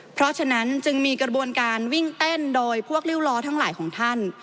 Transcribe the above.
เพราะฉะนั้นจึงมีกระบวนการวิ่งเต้นโดยพวกริ้วล้อทั้งหลายของท่าน